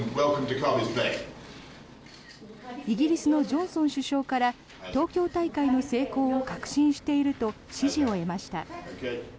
イギリスのジョンソン首相から東京大会の成功を確信していると支持を得ました。